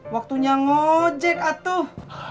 waktunya ngojek atuh